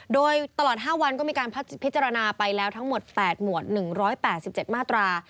โดยตลอด๕วันก็มีการพิจารณาไปแล้วทั้งหมด๘หมวด๑๘๗มาตรา